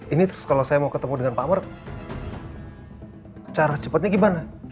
ini terus kalau saya mau ketemu dengan pak amar cara cepatnya gimana